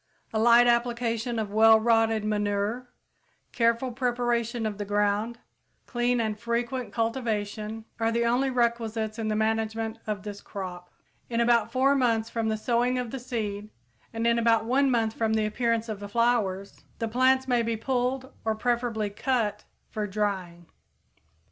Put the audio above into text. A light application of well rotted manure, careful preparation of the ground, clean and frequent cultivation, are the only requisites in the management of this crop. In about four months from the sowing of the seed, and in about one month from the appearance of the flowers, the plants may be pulled, or preferably cut, for drying.